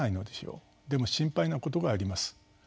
でも心配なことがあります。